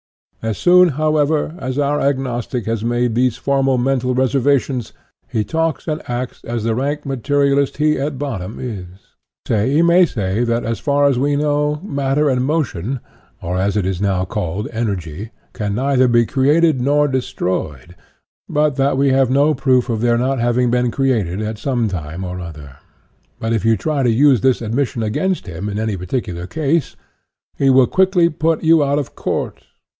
As soon, however, as our agnostic has made these formal mental reservations, he talks and acts as the rank materialist he at bottom is. He may say that, as far as we know, matter and motion, or as it is now called, energy, can neither be created nor destroyed, but that we have no proof of their not having been created at some time or other. But if you try to use this admission against him in any particular case, he will quickly put you out of court.